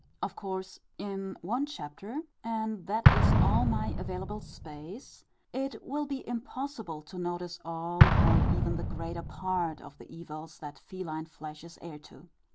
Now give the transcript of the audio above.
Of course, in one chapter and that is all my available space it will be impossible to notice all, or even the greater part, of the evils that feline flesh is heir to.